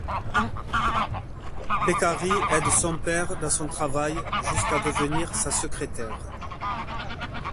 Beccari aide son père dans son travail jusqu’à devenir sa secrétaire.